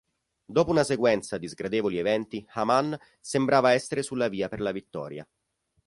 Dopo una sequenza di sgradevoli eventi, Haman sembrava essere sulla via per la vittoria.